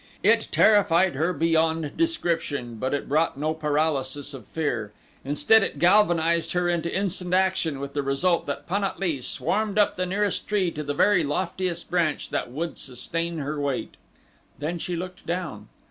It terrified her beyond description, but it brought no paralysis of fear. Instead it galvanized her into instant action with the result that Pan at lee swarmed up the nearest tree to the very loftiest branch that would sustain her weight. Then she looked down.